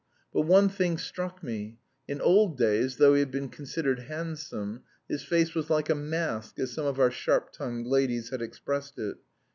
But one thing struck me. In old days, though he had been considered handsome, his face was "like a mask," as some of our sharp tongued ladies had expressed it.